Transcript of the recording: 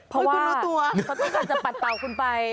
เพราะว่าเค้าต้องการจะปัดเป่าคุณไป